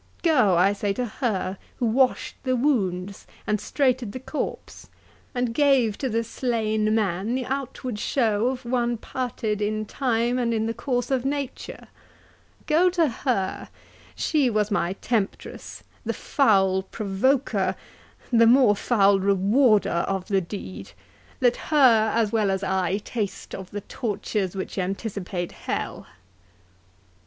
—Go, I say, to her, who washed the wounds, and straighted the corpse, and gave to the slain man the outward show of one parted in time and in the course of nature—Go to her, she was my temptress, the foul provoker, the more foul rewarder, of the deed—let her, as well as I, taste of the tortures which anticipate hell!"